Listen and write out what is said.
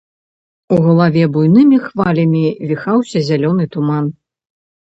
У галаве буйнымі хвалямі віхаўся зялёны туман.